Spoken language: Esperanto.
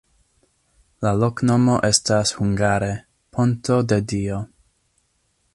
La loknomo estas hungare: ponto-de-Dio.